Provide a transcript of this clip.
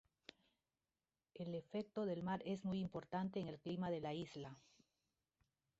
El efecto del mar es muy importante en el clima de la isla.